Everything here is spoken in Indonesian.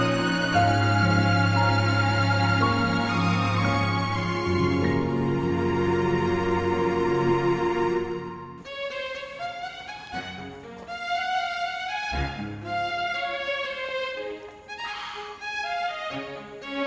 terpaksa dirawat bapak